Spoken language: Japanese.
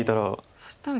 そしたら。